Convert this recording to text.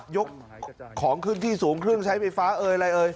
ยกของขึ้นที่สูงเครื่องใช้ไฟฟ้าอะไร